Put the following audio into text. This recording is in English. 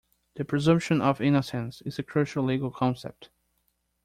The presumption of innocence is a crucial legal concept.